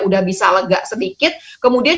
udah bisa lega sedikit kemudian